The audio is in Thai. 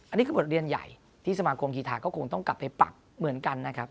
อันนี้คือบทเรียนใหญ่ที่สมาคมกีธาก็คงต้องกลับไปปักเหมือนกันนะครับ